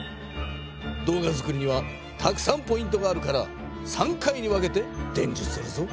動画作りにはたくさんポイントがあるから３回に分けてでんじゅするぞ。